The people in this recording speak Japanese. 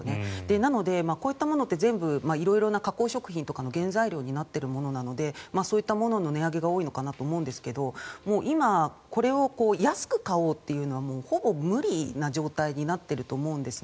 なのでこういったものって色々な加工食品の原材料になっているものなのでそういったものの値上げが多いのかなと思うんですが今、これを安く買おうというのはほぼ無理な状態になっていると思うんです。